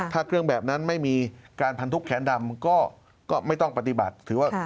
ถ้าเครื่องแบบนั้นไม่มีการพันธุแขนดำก็ไม่ต้องปฏิบัติถือว่า